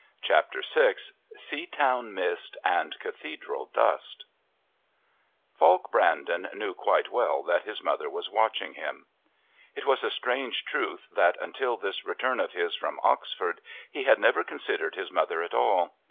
Chapter VI Seatown Mist and Cathedral Dust Falk Brandon knew quite well that his mother was watching him. It was a strange truth that until this return of his from Oxford he had never considered his mother at all.